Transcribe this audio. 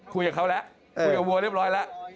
คุยกับเขาแล้วคุยกับวัวเรียบร้อยแล้ว